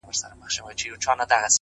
فکر ژور وي نو حلونه واضح وي